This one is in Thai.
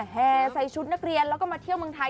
แห่ใส่ชุดนักเรียนแล้วก็มาเที่ยวเมืองไทย